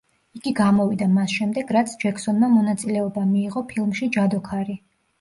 იგი გამოვიდა მას შემდეგ, რაც ჯექსონმა მონაწილეობა მიიღო ფილმში „ჯადოქარი“.